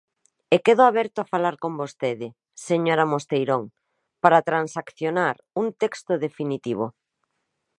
E quedo aberto a falar con vostede, señora Mosteirón, para transaccionar un texto definitivo.